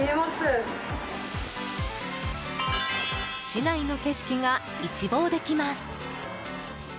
市内の景色が一望できます。